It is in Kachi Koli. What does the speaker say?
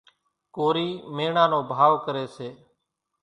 ڪورِي ميڻا نو ڀائو ڪريَ۔